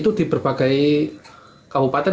itu di berbagai kabupaten